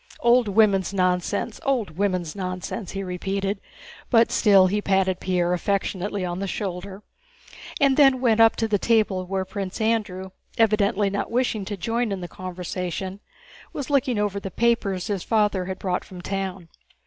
Old women's nonsense—old women's nonsense!" he repeated, but still he patted Pierre affectionately on the shoulder, and then went up to the table where Prince Andrew, evidently not wishing to join in the conversation, was looking over the papers his father had brought from town.